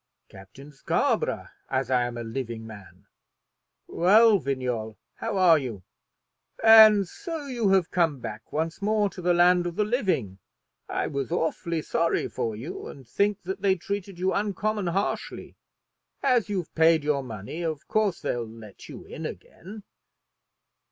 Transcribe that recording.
"Captain Scarborough as I am a living man!" "Well, Vignolles; how are you?" "And so you have come back once more to the land of the living! I was awfully sorry for you, and think that they treated you uncommon harshly. As you've paid your money, of course they'll let you in again."